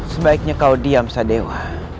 sebaiknya kau diam sadewa